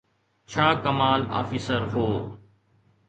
ڇا ڪمال آفيسر هو؟